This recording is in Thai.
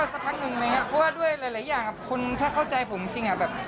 ก็สักพันหนึ่งนะครับเพราะว่าด้วยหลายอย่างคนถ้าเข้าใจผมจริงอะแบบ